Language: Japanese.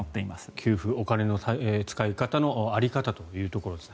給付、お金の使い方の在り方というところですね。